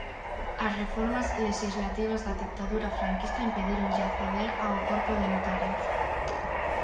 As reformas lexislativas da ditadura franquista impedíronlle acceder ao corpo de notarios.